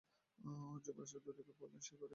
যুবরাজ দুকে পড়লেন সেই ঘরে।